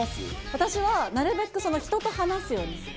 私はなるべく人と話すようにする。